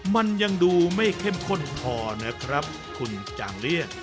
มันยังดูไม่เข้มข้นพอนะครับคุณจางเลี่ย